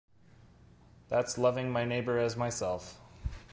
That's loving my neighbor as myself.